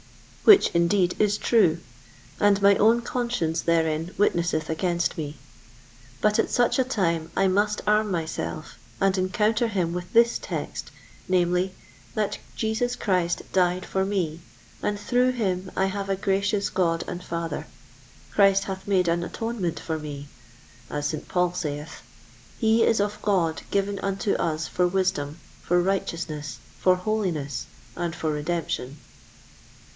which, indeed, is true, and my own conscience therein witnesseth against me; but at such a time I must arm myself and encounter him with this text, namely: "That Jesus Christ died for me, and through him I have a gracious God and Father; Christ hath made an atonement for me," as St. Paul saith, "He is of God given unto us for wisdom, for righteousness, for holiness, and for redemption."